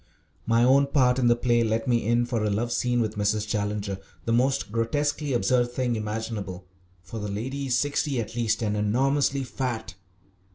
My own part in the play let me in for a love scene with Mrs. Challenger, the most grotesquely absurd thing imaginable, for the lady is sixty at least and enormously fat.